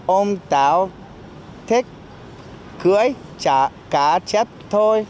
ông táo thích cưới cá chất thôi